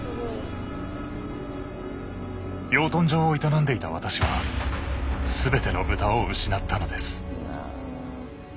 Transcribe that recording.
養豚業を営んでいた私は全ての豚を失ったのです。